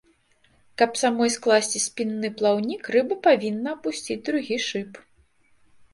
Каб самой скласці спінны плаўнік, рыба павінна апусціць другі шып.